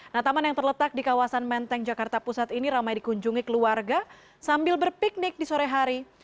nah taman yang terletak di kawasan menteng jakarta pusat ini ramai dikunjungi keluarga sambil berpiknik di sore hari